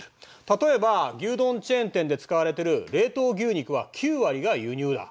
例えば牛丼チェーン店で使われてる冷凍牛肉は９割が輸入だ。